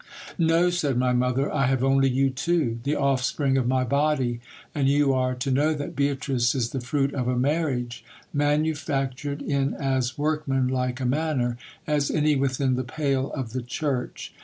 No, said my mother, I have only you two, the offspring of my body ; and you are to know that Beatrice is the fruit of a marriage, manufactured in as workmanlike a manner as any within the pale of the church.